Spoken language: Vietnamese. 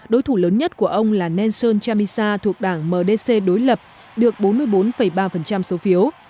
đối thủ lớn nhất của ông là nelson chamisa thuộc đảng mdc đối lập được bốn mươi bốn ba số phiếu